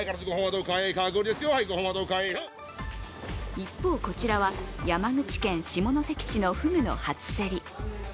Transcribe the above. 一方、こちらは山口県下関市のふぐの初競り。